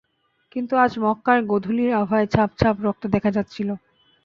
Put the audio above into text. কিন্তু আজ মক্কার গোধুলি আভায় ছাপ ছাপ রক্ত দেখা যাচ্ছিল।